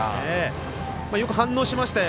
よく反応しましたよ。